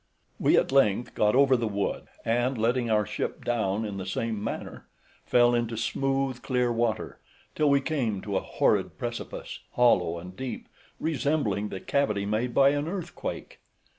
We at length got over the wood, and, letting our ship down in the same manner, fell into smooth clear water, till we came to a horrid precipice, hollow and deep, resembling the cavity made by an earthquake.